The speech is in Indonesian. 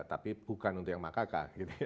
tapi bukan untuk yang makaka